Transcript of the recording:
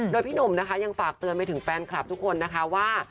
โดยพี่หนุ่มนะคะยังฝากเตือนไปถึงแฟนคลับทุกคนนะคะว่า